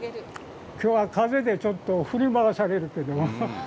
きょうは風でちょっと振り回されるけど。